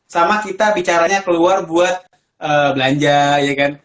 sama kita bicaranya keluar buat belanja ya kan